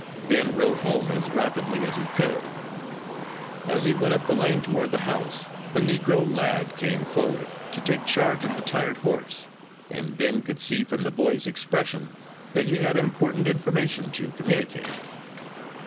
Ben rode home as rapidly as he could; as he went up the lane toward the house a Negro lad came forward to take charge of the tired horse, and Ben could see from the boy's expression that he had important information to communicate.